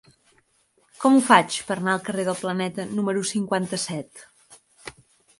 Com ho faig per anar al carrer del Planeta número cinquanta-set?